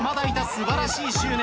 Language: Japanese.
素晴らしい執念。